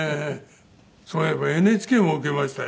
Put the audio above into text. そういえばＮＨＫも受けましたよ。